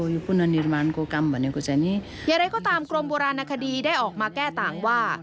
เยอะเรย์ก็ตามกรมบูรณาคดีได้ออกมาแก้ต่างว่า